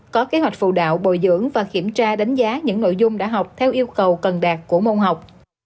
có kế hoạch phụ đạo bồi dưỡng và kiểm tra đánh giá những nội dung đã học theo yêu cầu cần đạt của môn học